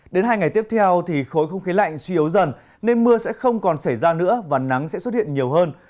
đến hai ngày tiếp theo thì khối không khí lạnh suy yếu dần nên mưa sẽ không còn xảy ra nữa và nắng sẽ xuất hiện nhiều hơn